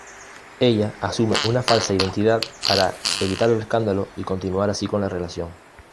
Ella asume una falsa identidad para evitar el escándalo y continuar así la relación.